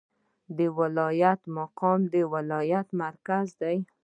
د ولایت مقام د ولایت مرکز دی